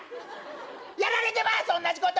やられてまーす同じこと！